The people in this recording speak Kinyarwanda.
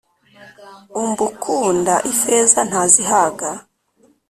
Umb ukunda ifeza ntazihaga